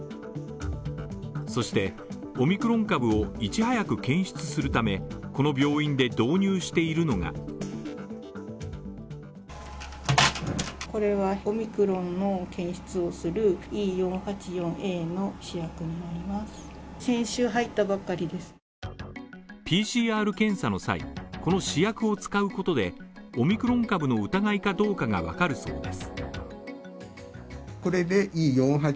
そして、オミクロン株をいち早く検出するため、この病院で導入しているのがＰＣＲ検査の際、この試薬を使うことで、オミクロン株の疑いかどうかがわかるそうです。